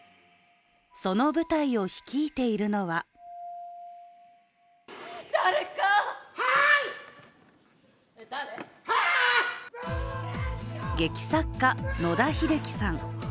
その舞台を率いているのは劇作家・野田秀樹さん。